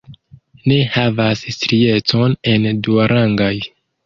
Ne havas striecon en duarangaj.